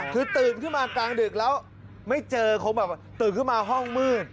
คือตื่นขึ้นมากลางดึกแล้วไม่เจอคงแบบตื่นขึ้นมาห้องมืด